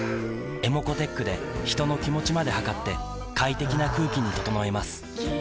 ｅｍｏｃｏーｔｅｃｈで人の気持ちまで測って快適な空気に整えます三菱電機